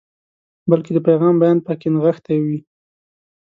بلکې د پیغام بیان پکې نغښتی وي.